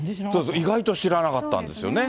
意外と知らなかったんですよ